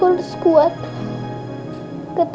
aku mau pulih ngerah